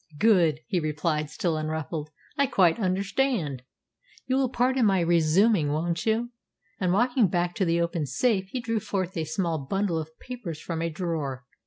"Good!" he replied, still unruffled. "I quite understand. You will pardon my resuming, won't you?" And walking back to the open safe, he drew forth a small bundle of papers from a drawer.